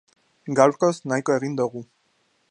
Gaurkoz nahiko egin dogu.